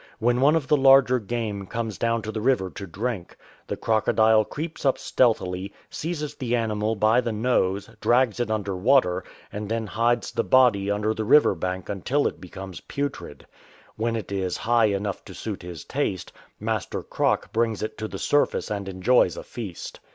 When one of the larger game comes down to the river to drink, tlie crocodile creeps up stealthily, seizes the animal by the nose, drags it under water, and then hides the body under the L i6x THE EXPEDITION FROM BENGUELA river bank until it becomes almost putrid. When it is " high " enough to suit his taste, Master Croc brings it to the surface and enjoys a feast.